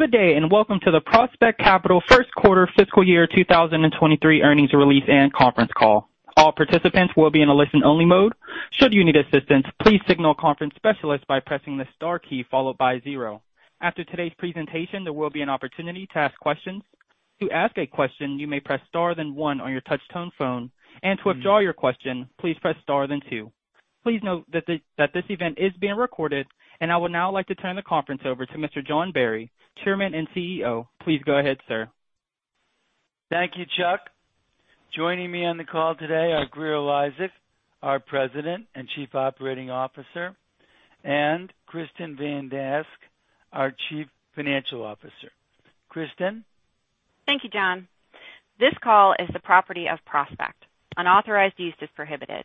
Good day, and welcome to the Prospect Capital first quarter fiscal year 2023 earnings release and conference call. All participants will be in a listen-only mode. Should you need assistance, please signal a conference specialist by pressing the star key followed by zero. After today's presentation, there will be an opportunity to ask questions. To ask a question, you may press Star then one on your touch-tone phone, and to withdraw your question, please press Star then two. Please note that this event is being recorded. I would now like to turn the conference over to Mr. John Barry, Chairman and CEO. Please go ahead, sir. Thank you, Chuck. Joining me on the call today are Grier Eliasek, our President and Chief Operating Officer, and Kristin Van Dask, our Chief Financial Officer. Kristin. Thank you, John. This call is the property of Prospect. Unauthorized use is prohibited.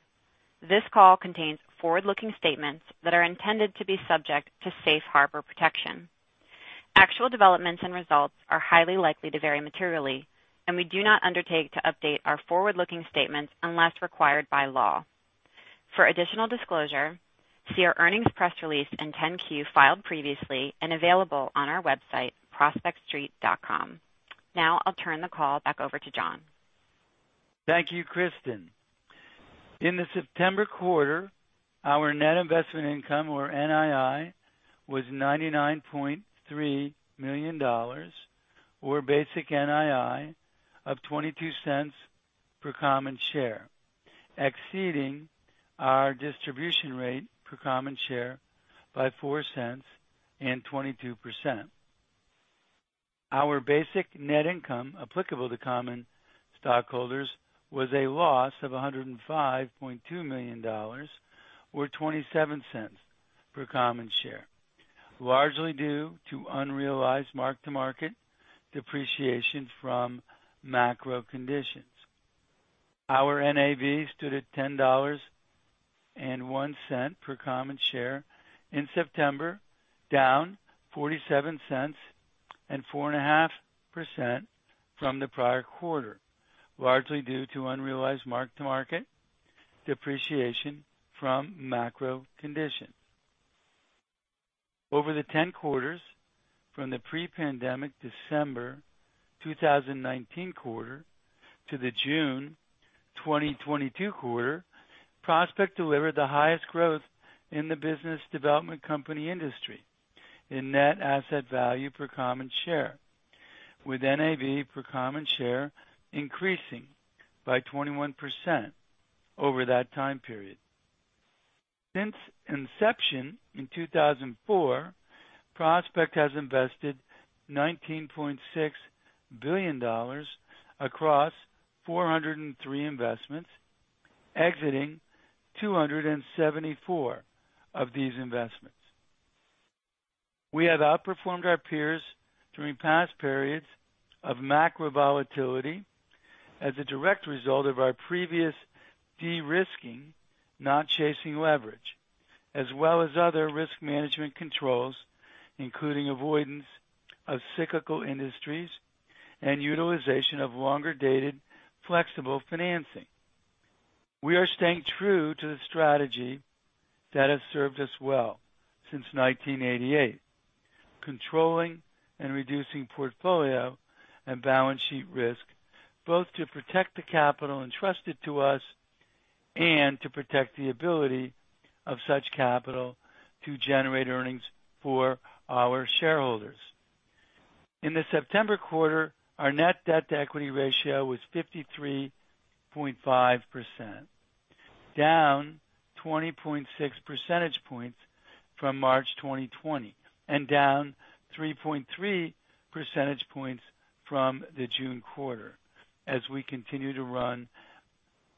This call contains forward-looking statements that are intended to be subject to Safe Harbor protection. Actual developments and results are highly likely to vary materially, and we do not undertake to update our forward-looking statements unless required by law. For additional disclosure, see our earnings press release and 10-Q filed previously and available on our website prospectstreet.com. Now I'll turn the call back over to John. Thank you, Kristin. In the September quarter, our net investment income, or NII, was $99.3 million or basic NII of $0.22 per common share, exceeding our distribution rate per common share by $0.04 and 22%. Our basic net income applicable to common stockholders was a loss of $105.2 million or $0.27 per common share, largely due to unrealized mark-to-market depreciation from macro conditions. Our NAV stood at $10.01 per common share in September, down $0.47 and 4.5% from the prior quarter, largely due to unrealized mark-to-market depreciation from macro conditions. Over the 10 quarters from the pre-pandemic December 2019 quarter to the June 2022 quarter, Prospect delivered the highest growth in the business development company industry in net asset value per common share, with NAV per common share increasing by 21% over that time period. Since inception in 2004, Prospect has invested $19.6 billion across 403 investments, exiting 274 of these investments. We have outperformed our peers during past periods of macro volatility as a direct result of our previous de-risking, not chasing leverage, as well as other risk management controls, including avoidance of cyclical industries and utilization of longer-dated flexible financing. We are staying true to the strategy that has served us well since 1988, controlling and reducing portfolio and balance sheet risk, both to protect the capital entrusted to us and to protect the ability of such capital to generate earnings for our shareholders. In the September quarter, our net debt-to-equity ratio was 53.5%, down 20.6 percentage points from March 2020, and down 3.3 percentage points from the June quarter as we continue to run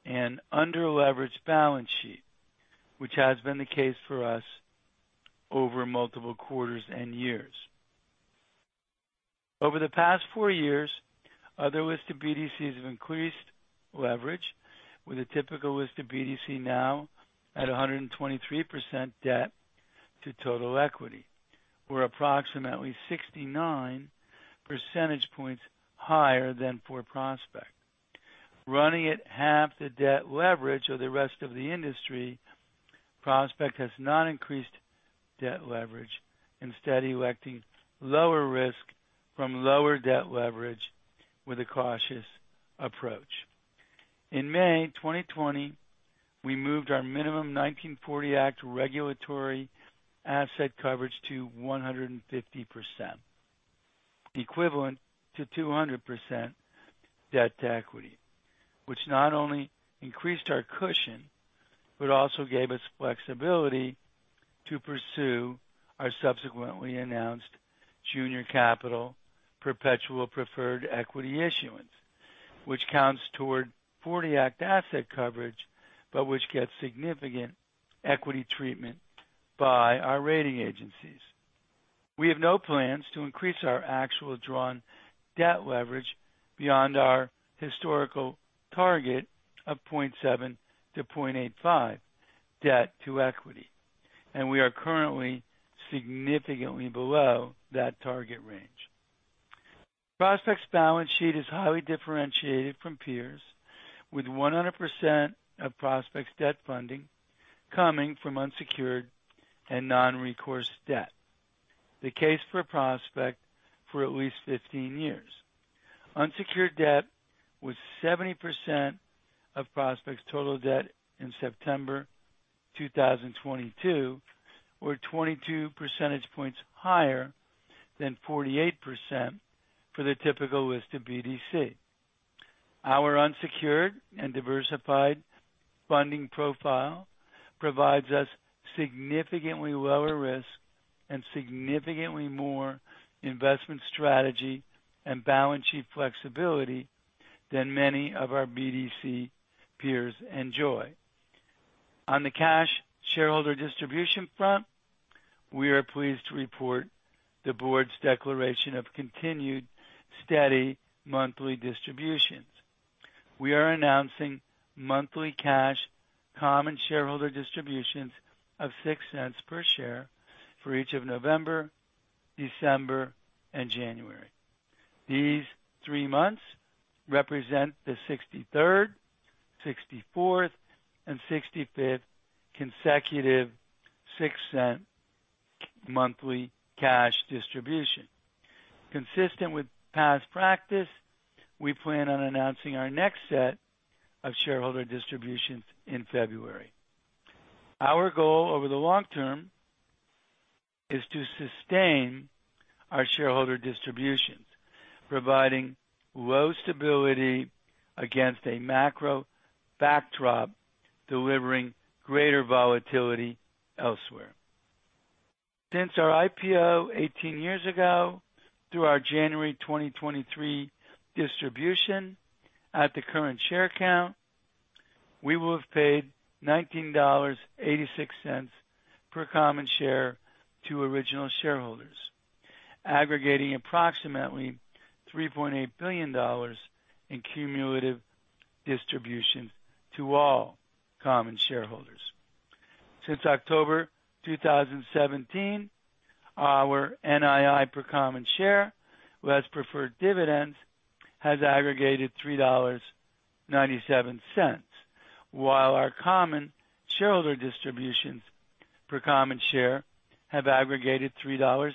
an under-leveraged balance sheet, which has been the case for us over multiple quarters and years. Over the past 4 years, other listed BDCs have increased leverage, with a typical listed BDC now at 123% debt to total equity. We're approximately 69 percentage points higher than for Prospect. Running at half the debt leverage of the rest of the industry, Prospect has not increased debt leverage, instead electing lower risk from lower debt leverage with a cautious approach. In May 2020, we moved our minimum 1940 Act regulatory asset coveragem to 150%, equivalent to 200% debt to equity, which not only increased our cushion but also gave us flexibility to pursue our subsequently announced junior capital perpetual preferred equity issuance, which counts toward 1940 Act asset coverage but which gets significant equity treatment by our rating agencies. We have no plans to increase our actual drawn debt leverage beyond our historical target of 0.7-0.85 debt to equity, and we are currently significantly below that target range. Prospect's balance sheet is highly differentiated from peers, with 100% of Prospect's debt funding coming from unsecured and non-recourse debt. The case for Prospect for at least 15 years. Unsecured debt was 70% of Prospect's total debt in September 2022, or 22 percentage points higher than 48% for the typical listed BDC. Our unsecured and diversified funding profile provides us significantly lower risk and significantly more investment strategy and balance sheet flexibility than many of our BDC peers enjoy. On the cash shareholder distribution front, we are pleased to report the board's declaration of continued steady monthly distributions. We are announcing monthly cash common shareholder distributions of $0.06 per share for each of November, December, and January. These three months represent the 63rd, 64th, and 65th consecutive $0.06 monthly cash distribution. Consistent with past practice, we plan on announcing our next set of shareholder distributions in February. Our goal over the long term is to sustain our shareholder distributions, providing low stability against a macro backdrop, delivering greater volatility elsewhere. Since our IPO 18 years ago through our January 2023 distribution at the current share count, we will have paid $19.86 per common share to original shareholders, aggregating approximately $3.8 billion in cumulative distributions to all common shareholders. Since October 2017, our NII per common share, less preferred dividends, has aggregated $3.97, while our common shareholder distributions per common share have aggregated $3.60,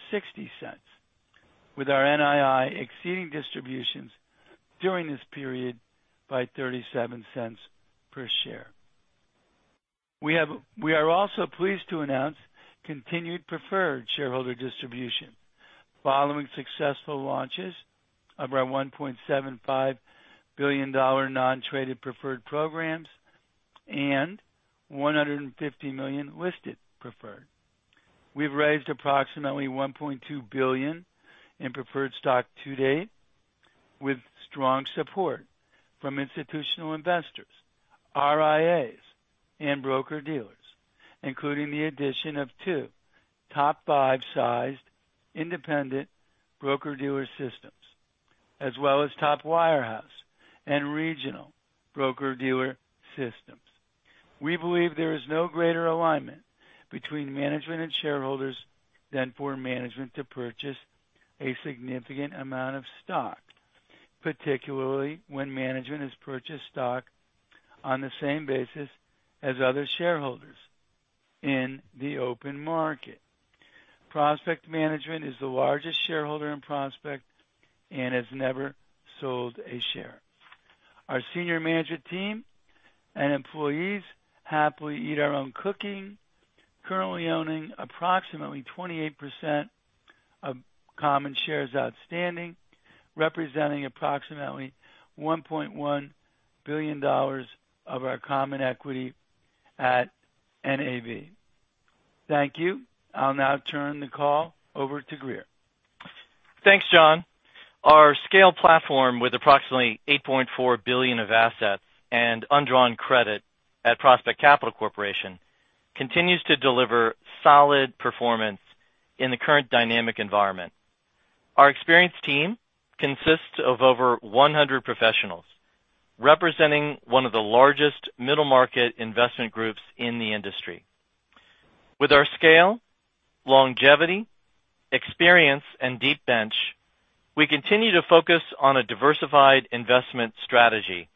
with our NII exceeding distributions during this period by $0.37 per share. We are also pleased to announce continued preferred shareholder distribution following successful launches of our $1.75 billion non-traded preferred programs and $150 million listed preferred. We've raised approximately $1.2 billion in preferred stock to date, with strong support from institutional investors, RIAs, and broker-dealers, including the addition of two top five-sized independent broker-dealer systems, as well as top wirehouse and regional broker-dealer systems. We believe there is no greater alignment between management and shareholders than for management to purchase a significant amount of stock, particularly when management has purchased stock on the same basis as other shareholders in the open market. Prospect Capital Management is the largest shareholder in Prospect and has never sold a share. Our senior management team and employees happily eat our own cooking, currently owning approximately 28% of common shares outstanding, representing approximately $1.1 billion of our common equity at NAV. Thank you. I'll now turn the call over to Grier. Thanks, John. Our scale platform with approximately $8.4 billion of assets and undrawn credit at Prospect Capital Corporation continues to deliver solid performance in the current dynamic environment. Our experienced team consists of over 100 professionals, representing one of the largest middle-market investment groups in the industry. With our scale, longevity, experience, and deep bench, we continue to focus on a diversified investment strategy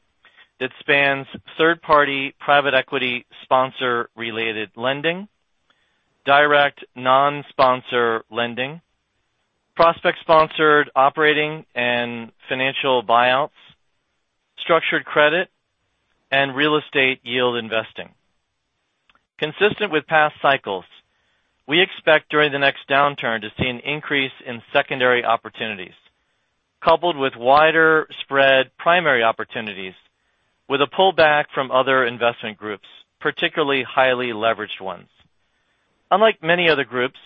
that spans third-party private equity sponsor-related lending, direct non-sponsor lending, Prospect-sponsored operating and financial buyouts, structured credit, and real estate yield investing. Consistent with past cycles, we expect during the next downturn to see an increase in secondary opportunities, coupled with wider spread primary opportunities with a pullback from other investment groups, particularly highly leveraged ones. Unlike many other groups,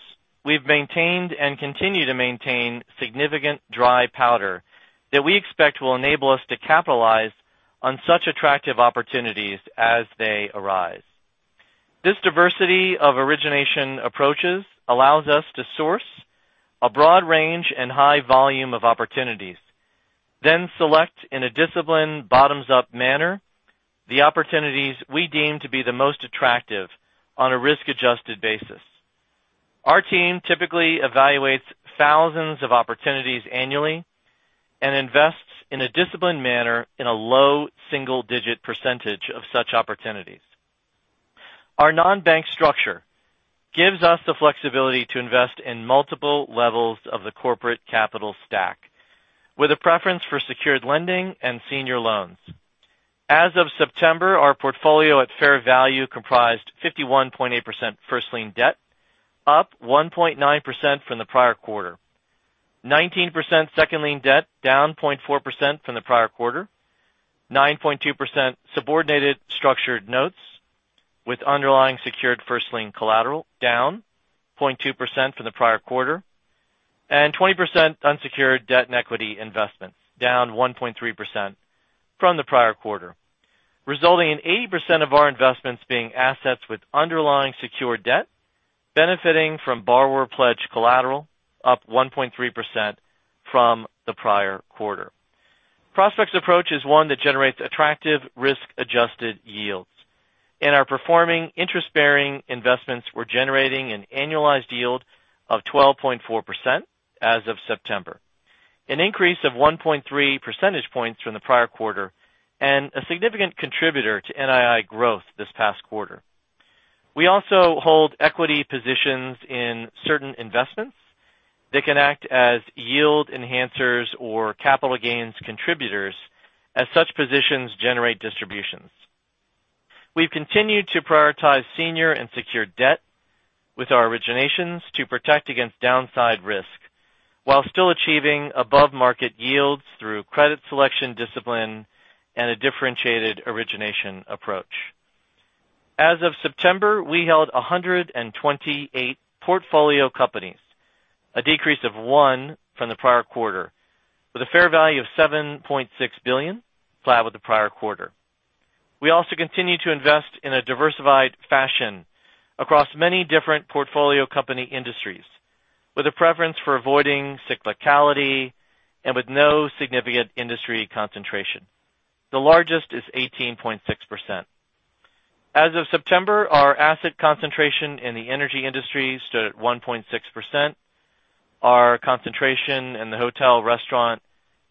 we've maintained and continue to maintain significant dry powder that we expect will enable us to capitalize on such attractive opportunities as they arise. This diversity of origination approaches allows us to source a broad range and high volume of opportunities, then select in a disciplined bottoms-up manner the opportunities we deem to be the most attractive on a risk-adjusted basis. Our team typically evaluates thousands of opportunities annually and invests in a disciplined manner in a low single-digit percentage of such opportunities. Our non-bank structure gives us the flexibility to invest in multiple levels of the corporate capital stack, with a preference for secured lending and senior loans. As of September, our portfolio at fair value comprised 51.8% first-lien debt, up 1.9% from the prior quarter. 19% second-lien debt, down 0.4% from the prior quarter. 9.2% subordinated structured notes with underlying secured first-lien collateral, down 0.2% from the prior quarter. Twenty percent unsecured debt and equity investments, down 1.3% from the prior quarter, resulting in 80% of our investments being assets with underlying secured debt, benefiting from borrower pledge collateral, up 1.3% from the prior quarter. Prospect's approach is one that generates attractive risk-adjusted yields. In our performing interest-bearing investments, we're generating an annualized yield of 12.4% as of September, an increase of 1.3 percentage points from the prior quarter, and a significant contributor to NII growth this past quarter. We also hold equity positions in certain investments that can act as yield enhancers or capital gains contributors as such positions generate distributions. We've continued to prioritize senior and secured debt with our originations to protect against downside risk while still achieving above-market yields through credit selection discipline and a differentiated origination approach. As of September, we held 128 portfolio companies, a decrease of one from the prior quarter, with a fair value of $7.6 billion, flat with the prior quarter. We also continue to invest in a diversified fashion across many different portfolio company industries with a preference for avoiding cyclicality and with no significant industry concentration. The largest is 18.6%. As of September, our asset concentration in the energy industry stood at 1.6%. Our concentration in the hotel, restaurant,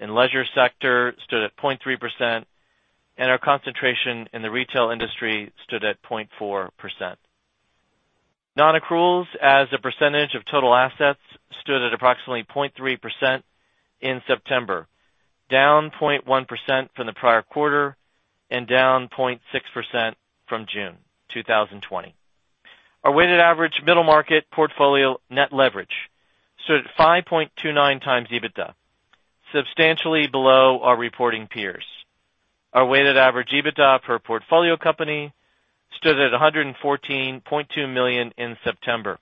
and leisure sector stood at 0.3%, and our concentration in the retail industry stood at 0.4%. Non-accruals as a percentage of total assets stood at approximately 0.3% in September, down 0.1% from the prior quarter and down 0.6% from June 2020. Our weighted average middle market portfolio net leverage stood at 5.29x EBITDA, substantially below our reporting peers. Our weighted average EBITDA per portfolio company stood at $114.2 million in September,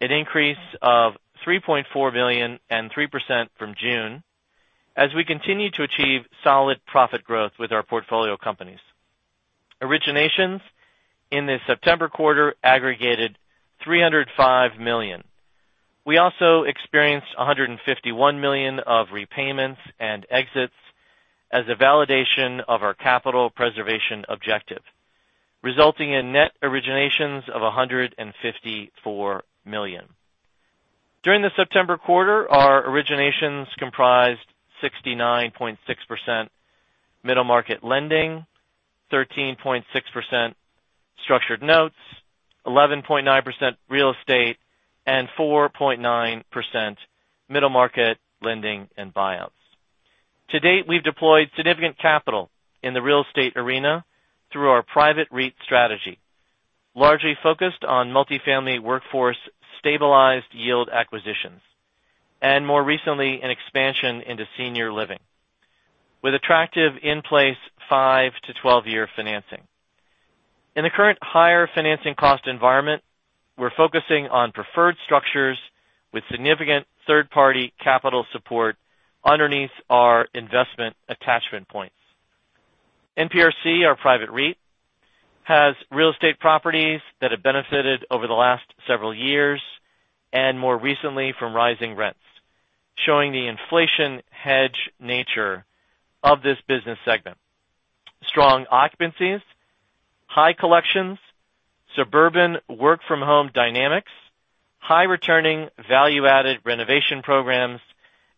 an increase of $3.4 million and 3% from June as we continue to achieve solid profit growth with our portfolio companies. Originations in the September quarter aggregated $305 million. We also experienced $151 million of repayments and exits as a validation of our capital preservation objective, resulting in net originations of $154 million. During the September quarter, our originations comprised 69.6% middle market lending, 13.6% structured notes, 11.9% real estate, and 4.9% middle market lending and buyouts. To date, we've deployed significant capital in the real estate arena through our private REIT strategy, largely focused on multi-family workforce stabilized yield acquisitions, and more recently, an expansion into senior living with attractive in-place 5- to 12-year financing. In the current higher financing cost environment, we're focusing on preferred structures with significant third-party capital support underneath our investment attachment points. NPRC, our private REIT, has real estate properties that have benefited over the last several years and more recently from rising rents, showing the inflation hedge nature of this business segment. Strong occupancies, high collections, suburban work-from-home dynamics, high returning value-added renovation programs,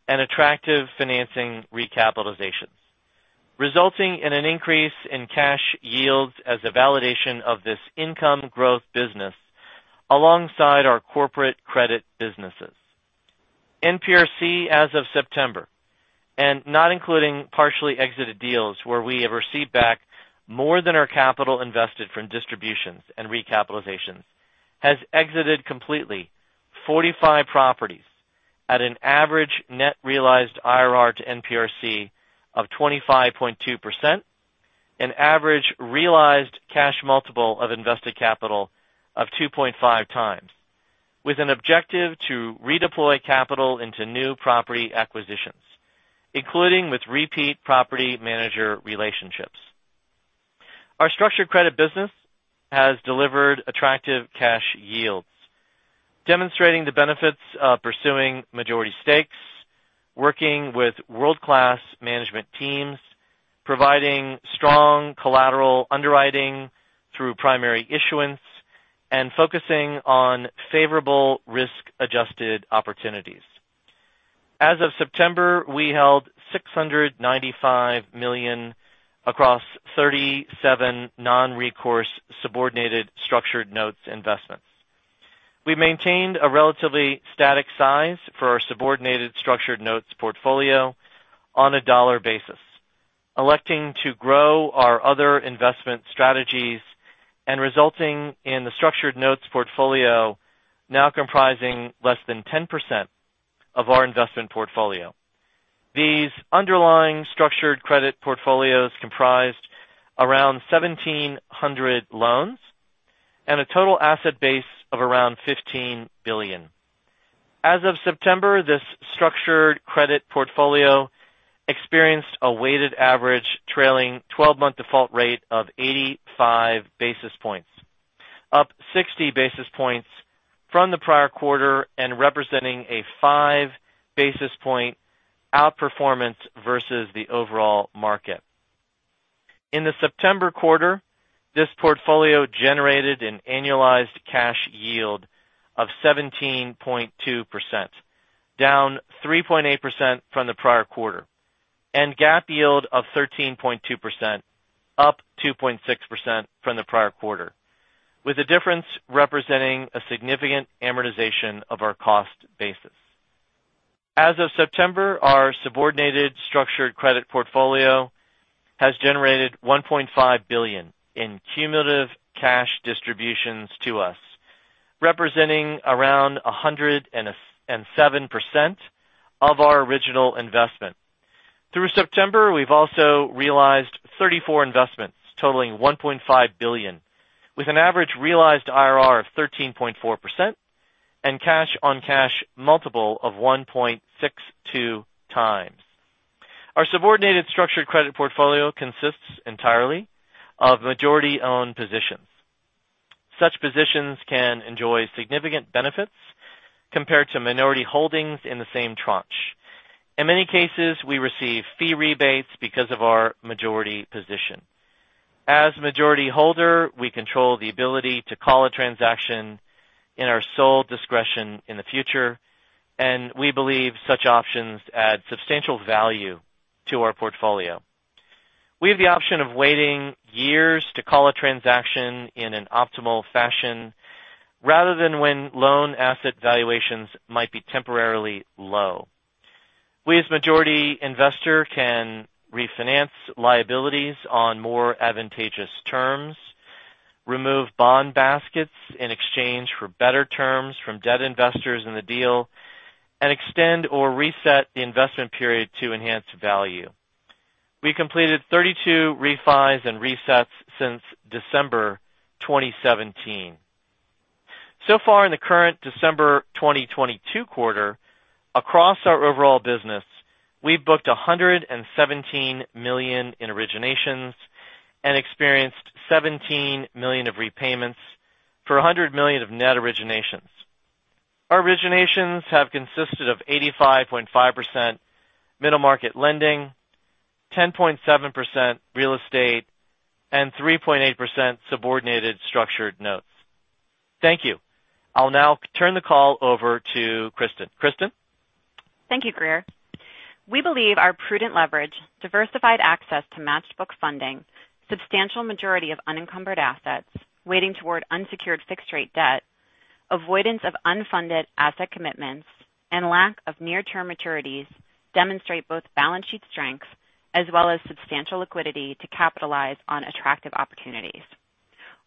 and attractive financing recapitalizations, resulting in an increase in cash yields as a validation of this income growth business alongside our corporate credit businesses. NPRC, as of September, and not including partially exited deals where we have received back more than our capital invested from distributions and recapitalizations, has exited completely 45 properties at an average net realized IRR to NPRC of 25.2%, an average realized cash multiple of invested capital of 2.5x with an objective to redeploy capital into new property acquisitions, including with repeat property manager relationships. Our structured credit business has delivered attractive cash yields, demonstrating the benefits of pursuing majority stakes. Working with world-class management teams, providing strong collateral underwriting through primary issuance, and focusing on favorable risk-adjusted opportunities. As of September, we held $695 million across 37 non-recourse subordinated structured notes investments. We maintained a relatively static size for our subordinated structured notes portfolio on a dollar basis, electing to grow our other investment strategies and resulting in the structured notes portfolio now comprising less than 10% of our investment portfolio. These underlying structured credit portfolios comprised around 1,700 loans and a total asset base of around $15 billion. As of September, this structured credit portfolio experienced a weighted average trailing twelve-month default rate of 85 basis points, up 60 basis points from the prior quarter and representing a 5 basis points outperformance versus the overall market. In the September quarter, this portfolio generated an annualized cash yield of 17.2%, down 3.8% from the prior quarter, and GAAP yield of 13.2%, up 2.6% from the prior quarter, with the difference representing a significant amortization of our cost basis. As of September, our subordinated structured credit portfolio has generated $1.5 billion in cumulative cash distributions to us, representing around 107% of our original investment. Through September, we've also realized 34 investments totaling $1.5 billion, with an average realized IRR of 13.4% and cash-on-cash multiple of 1.62x. Our subordinated structured credit portfolio consists entirely of majority-owned positions. Such positions can enjoy significant benefits compared to minority holdings in the same tranche. In many cases, we receive fee rebates because of our majority position. As majority holder, we control the ability to call a transaction in our sole discretion in the future, and we believe such options add substantial value to our portfolio. We have the option of waiting years to call a transaction in an optimal fashion rather than when loan asset valuations might be temporarily low. We, as majority investor, can refinance liabilities on more advantageous terms, remove bond baskets in exchange for better terms from debt investors in the deal, and extend or reset the investment period to enhance value. We completed 32 refis and resets since December 2017. So far in the current December 2022 quarter, across our overall business, we've booked $117 million in originations and experienced $17 million of repayments for $100 million of net originations. Our originations have consisted of 85.5% middle market lending, 10.7% real estate, and 3.8% subordinated structured notes. Thank you. I'll now turn the call over to Kristin. Kristin. Thank you, Grier Eliasek. We believe our prudent leverage, diversified access to matched book funding, substantial majority of unencumbered assets weighting toward unsecured fixed-rate debt, avoidance of unfunded asset commitments, and lack of near-term maturities demonstrate both balance sheet strengths as well as substantial liquidity to capitalize on attractive opportunities.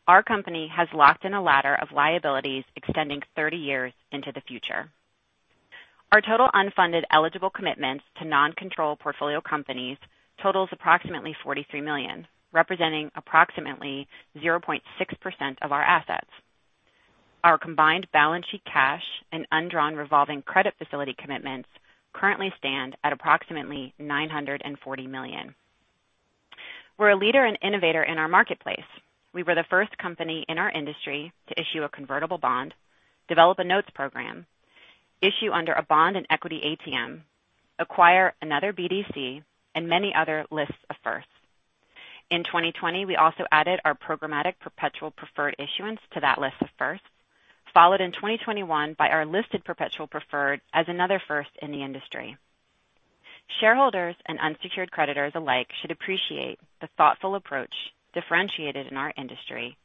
Our company has locked in a ladder of liabilities extending 30 years into the future. Our total unfunded eligible commitments to non-control portfolio companies totals approximately $43 million, representing approximately 0.6% of our assets. Our combined balance sheet cash and undrawn revolving credit facility commitments currently stand at approximately $940 million. We're a leader and innovator in our marketplace. We were the first company in our industry to issue a convertible bond, develop a notes program, issue under a bond and equity ATM, acquire another BDC, and many other lists of firsts. In 2020, we also added our programmatic perpetual preferred issuance to that list of firsts, followed in 2021 by our listed perpetual preferred as another first in the industry. Shareholders and unsecured creditors alike should appreciate the thoughtful approach differentiated in our industry,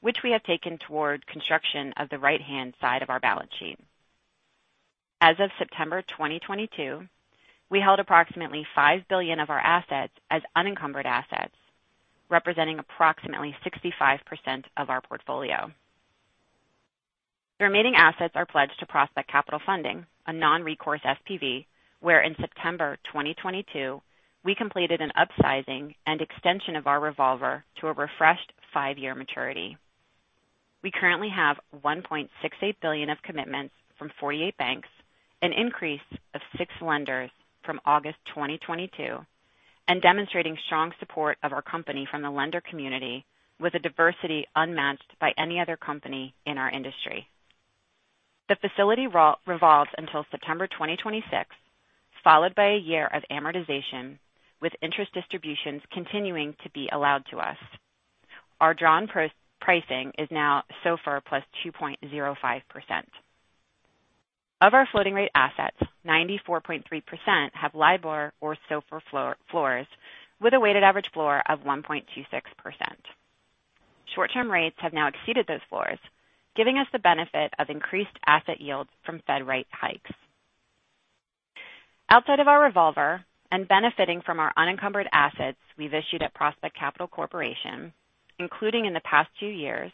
which we have taken toward construction of the right-hand side of our balance sheet. As of September 2022, we held approximately $5 billion of our assets as unencumbered assets, representing approximately 65% of our portfolio. The remaining assets are pledged to Prospect Capital Funding, a non-recourse SPV, where in September 2022, we completed an upsizing and extension of our revolver to a refreshed five-year maturity. We currently have $1.68 billion of commitments from 48 banks, an increase of 6 lenders from August 2022. Demonstrating strong support of our company from the lender community with a diversity unmatched by any other company in our industry. The facility revolves until September 2026, followed by a year of amortization with interest distributions continuing to be allowed to us. Our drawn pricing is now SOFR plus 2.05%. Of our floating rate assets, 94.3% have LIBOR or SOFR floors with a weighted average floor of 1.26%. Short-term rates have now exceeded those floors, giving us the benefit of increased asset yields from Fed rate hikes. Outside of our revolver and benefiting from our unencumbered assets we've issued at Prospect Capital Corporation, including in the past two years,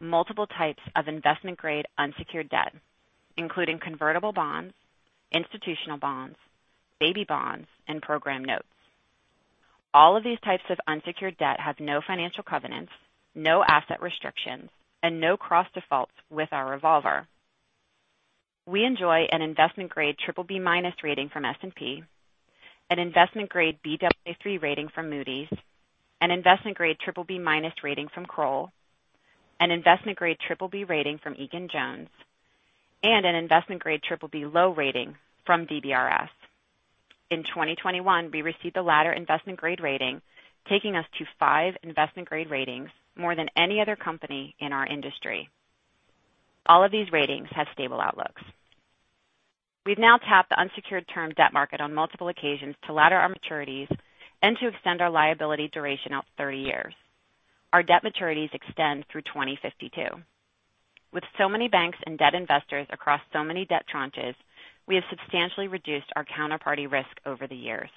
multiple types of investment grade unsecured debt, including convertible bonds, institutional bonds, baby bonds, and program notes. All of these types of unsecured debt have no financial covenants, no asset restrictions, and no cross defaults with our revolver. We enjoy an investment grade triple B minus rating from S&P, an investment grade Baa3 rating from Moody's, an investment grade triple B minus rating from Kroll, an investment grade triple B rating from Egan-Jones, and an investment grade triple B low rating from DBRS. In 2021, we received the latter investment grade rating, taking us to five investment grade ratings, more than any other company in our industry. All of these ratings have stable outlooks. We've now tapped the unsecured term debt market on multiple occasions to ladder our maturities and to extend our liability duration out 30 years. Our debt maturities extend through 2052. With so many banks and debt investors across so many debt tranches, we have substantially reduced our counterparty risk over the years.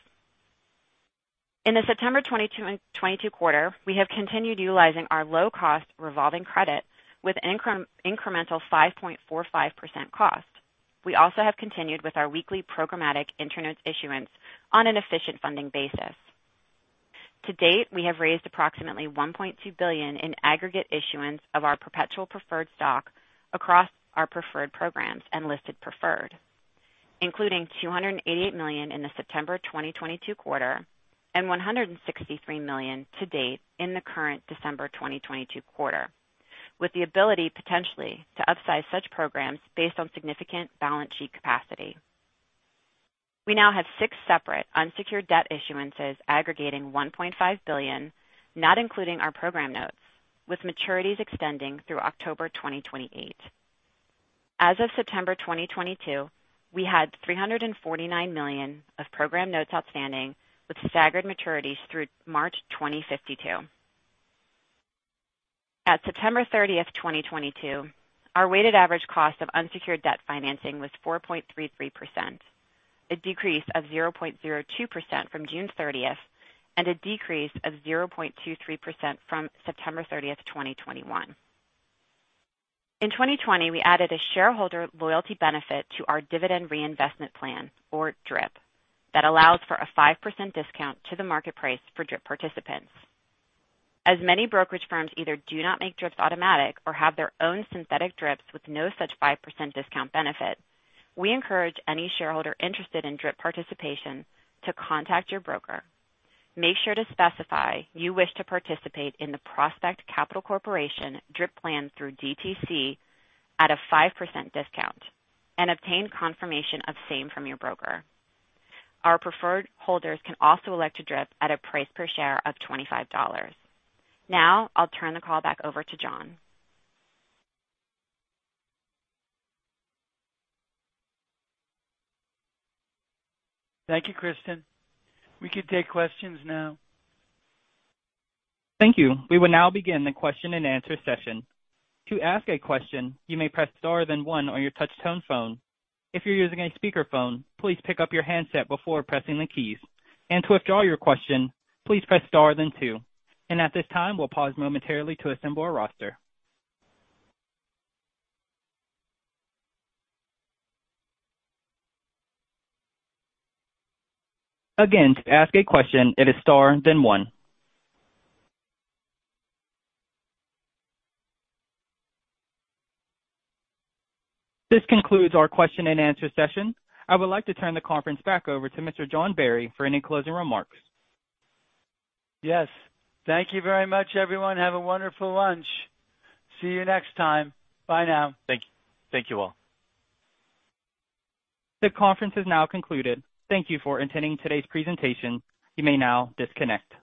In the September 2022 quarter, we have continued utilizing our low-cost revolving credit with incremental 5.45% cost. We also have continued with our weekly programmatic equity issuance on an efficient funding basis. To date, we have raised approximately $1.2 billion in aggregate issuance of our perpetual preferred stock across our preferred programs and listed preferred, including $288 million in the September 2022 quarter and $163 million to date in the current December 2022 quarter, with the ability potentially to upsize such programs based on significant balance sheet capacity. We now have six separate unsecured debt issuances aggregating $1.5 billion, not including our program notes, with maturities extending through October 2028. As of September 2022, we had $349 million of program notes outstanding with staggered maturities through March 2052. At September 30th, 2022, our weighted average cost of unsecured debt financing was 4.33%, a decrease of 0.02% from June 30th, and a decrease of 0.23% from September 30th, 2021. In 2020, we added a shareholder loyalty benefit to our dividend reinvestment plan, or DRIP, that allows for a 5% discount to the market price for DRIP participants. As many brokerage firms either do not make DRIPs automatic or have their own synthetic DRIPs with no such 5% discount benefit, we encourage any shareholder interested in DRIP participation to contact your broker. Make sure to specify you wish to participate in the Prospect Capital Corporation DRIP plan through DTC at a 5% discount and obtain confirmation of same from your broker. Our preferred holders can also elect a DRIP at a price per share of $25. Now I'll turn the call back over to John. Thank you, Kristin. We can take questions now. Thank you. We will now begin the question-and-answer session. To ask a question, you may press star then one on your touch-tone phone. If you're using a speakerphone, please pick up your handset before pressing the keys. To withdraw your question, please press star then two. At this time, we'll pause momentarily to assemble a roster. Again, to ask a question, it is star then one. This concludes our question-and-answer session. I would like to turn the conference back over to Mr. John Barry for any closing remarks. Yes. Thank you very much, everyone. Have a wonderful lunch. See you next time. Bye now. Thank you. Thank you all. The conference is now concluded. Thank you for attending today's presentation. You may now disconnect.